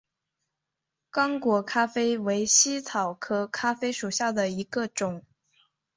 刚果咖啡为茜草科咖啡属下的一个种。